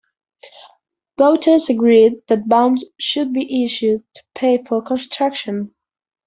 Voters agreed that bonds should be issued to pay for construction.